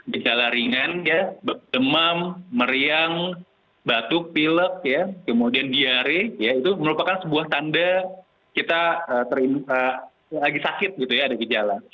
gejala ringan ya demam meriang batuk pilek kemudian diare ya itu merupakan sebuah tanda kita lagi sakit gitu ya ada gejala